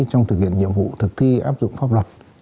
trong thực hiện nhiệm vụ thực thi áp dụng pháp luật